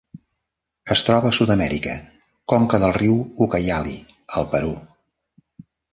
Es troba a Sud-amèrica: conca del riu Ucayali al Perú.